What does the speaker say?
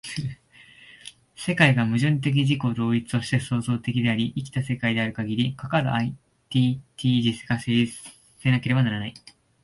世界が矛盾的自己同一として創造的であり、生きた世界であるかぎり、かかるアンティテージスが成立せなければならない。